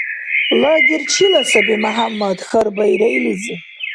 — Лагерь чила саби, МяхӀяммад? — хьарбаира илизи.